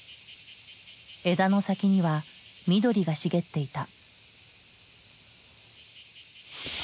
枝の先には緑が茂っていた。